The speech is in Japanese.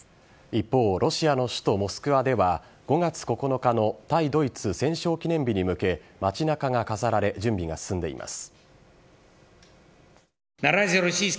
一方、ロシアの首都モスクワでは５月９日の対ドイツ戦勝記念日に向け街じゅうが飾られ準備が進んでいます。